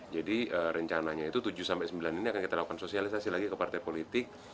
jadi rencananya itu tujuh sampai sembilan ini akan kita lakukan sosialisasi lagi ke partai politik